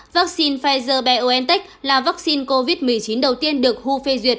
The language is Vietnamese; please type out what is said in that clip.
vaccine pfizer biontech là vaccine covid một mươi chín đầu tiên được hu phê duyệt